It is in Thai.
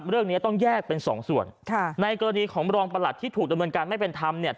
เรื่องนี้ต้องแยกเป็นสองส่วนค่ะในกรณีของรองประหลัดที่ถูกดำเนินการไม่เป็นธรรมเนี่ย